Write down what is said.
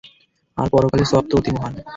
আর পরকালের সওয়াবতো অতি মহান।